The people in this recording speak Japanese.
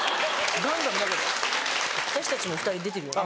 私たちも２人出てるよね。